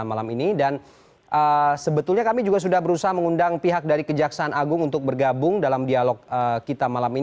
malam ini dan sebetulnya kami juga sudah berusaha mengundang pihak dari kejaksaan agung untuk bergabung dalam dialog kita malam ini